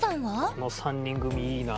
この３人組いいなあ。